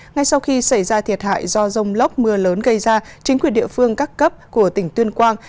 ngay sau khi xảy ra thiệt hại do rông lốc mưa lớn gây ra chính quyền địa phương các cấp của tỉnh tuyên quang